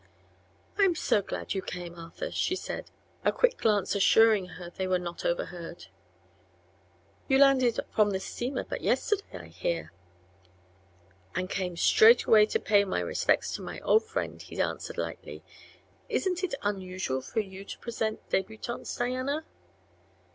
"I'm so glad you came, Arthur," she said, a quick glance assuring her they were not overheard. "You landed from the steamer but yesterday, I hear." "And came straightway to pay my respects to my old friend," he answered lightly. "Isn't it unusual for you to present debutantes, Diana?"